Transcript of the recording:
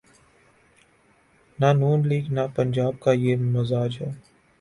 نہ ن لیگ‘ نہ پنجاب کا یہ مزاج ہے۔